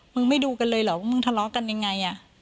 มึงไม่ดูกันเลยหรือมึงทะเลาะกันอย่างไร